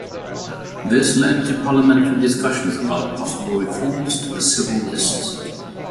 This led to Parliamentary discussions about possible reforms to the civil list.